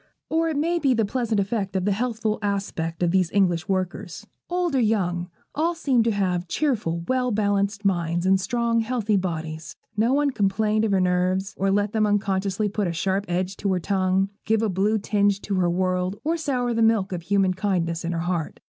Or it may be the pleasant effect of the healthful aspect of these English workers. Old or young, all seemed to have cheerful, well balanced minds, in strong, healthy bodies. No one complained of her nerves, or let them unconsciously put a sharp edge to her tongue, give a blue tinge to the world, or sour the milk of human kindness in her heart.